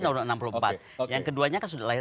tahun enam puluh empat yang keduanya kan sudah lahir